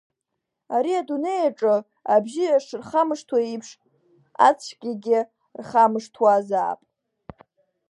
Ари адунеи аҿы абзиа шырхамышҭуа еиԥш, ацәгьагьы рхамышҭуазаап.